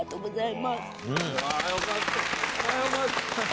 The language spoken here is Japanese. よかった。